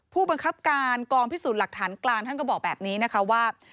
ผู้บังคับการกองพิสูจน์หลักฐานกลางท่านก็บอกแบบนี้นะคะว่า